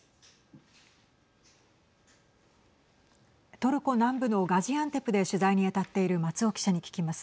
トルコ南部のガジアンテプで取材に当たっている松尾記者に聞きます。